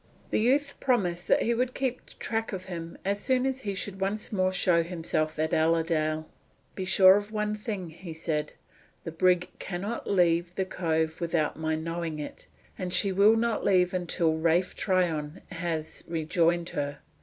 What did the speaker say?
The youth promised that he would keep track of him as soon as he should once more show himself at Allerdale. "Be sure of one thing," he said. "The brig can not leave the cove without my knowing it; and she will not leave until Ralph Tryon has rejoined her.